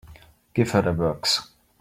Give her the works.